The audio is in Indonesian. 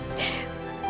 untuk selalu kuat